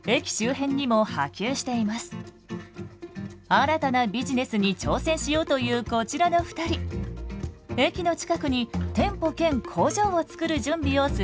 新たなビジネスに挑戦しようというこちらの２人駅の近くに店舗兼工場を作る準備を進めています。